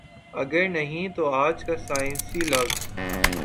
اگر نہیں تو آج کا سائنسی لفظ